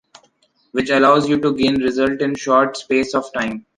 Which allows you to gain results in a short space of time.